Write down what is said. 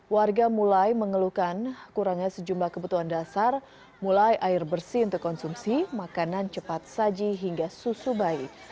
warga mulai mengeluhkan kurangnya sejumlah kebutuhan dasar mulai air bersih untuk konsumsi makanan cepat saji hingga susu bayi